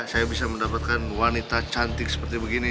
saya bisa mendapatkan wanita cantik seperti begini